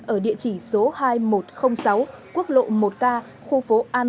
ở địa chỉ số hai nghìn một trăm linh sáu quốc lộ một k khu phố an